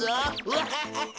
ワハハハ！